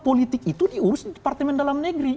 politik itu diurus departemen dalam negeri